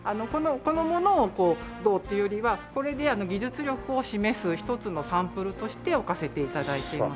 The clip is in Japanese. この物をというよりはこれで技術力を示す一つのサンプルとして置かせて頂いています。